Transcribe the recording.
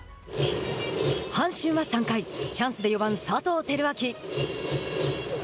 阪神は３回、チャンスで、４番佐藤輝明。